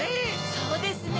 そうですね。